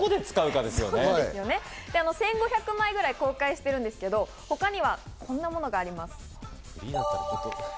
１５００枚ぐらい公開してるんですけど、他にはこんなものがあります。